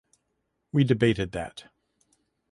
We debated that.